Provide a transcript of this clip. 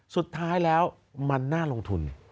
สุดท้ายแล้วมันน่าลงทุน